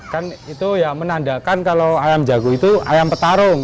kan itu ya menandakan kalau ayam jago itu ayam petarung